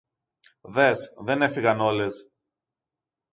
Δες, δεν έφυγαν όλες